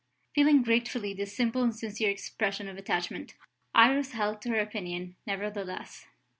Feeling gratefully this simple and sincere expression of attachment, Iris held to her own opinion, nevertheless.